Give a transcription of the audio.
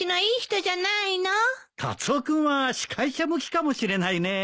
カツオ君は司会者向きかもしれないね。